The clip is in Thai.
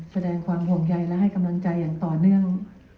แสดงความห่วงใยและให้กำลังใจอย่างต่อเนื่อง